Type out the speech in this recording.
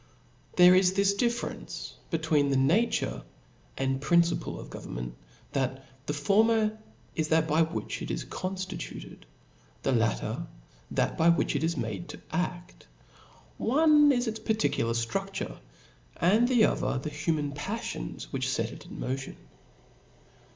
There is this difference between * the nature and principle of government ; that the former is diat by which it is conftituted, the latter that by which it is made to aft. One is irs particular firudure, and the other the human paflions which fet it in motion.